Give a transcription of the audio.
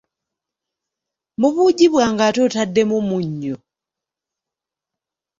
Mu buugi bwange ate otaddemu munnyo!